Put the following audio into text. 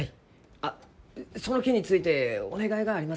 あっその件についてお願いがあります